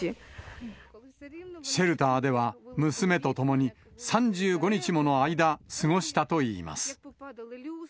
シェルターでは娘と共に３５日もの間、過ごしたといいます。